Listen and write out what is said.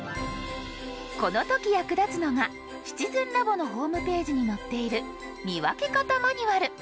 この時役立つのが「シチズンラボ」のホームページに載っている「見分け方マニュアル」。